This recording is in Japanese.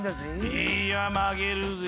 いや曲げるぜぇ。